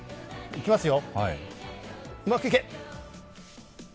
いきますよ。